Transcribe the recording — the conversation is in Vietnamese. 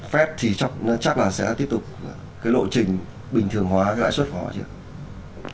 fed thì chắc là sẽ tiếp tục cái lộ trình bình thường hóa cái lãi suất của họ chưa